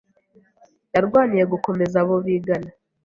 Yarwaniye gukomeza abo bigana.